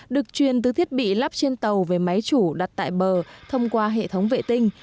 được truyền từ thiết bị lắp trên tàu về máy chủ đặt tại bờ thông qua hệ thống vệ tinh